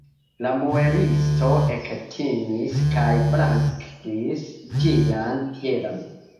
La muelisto ektimis kaj blankigis ĝian piedon.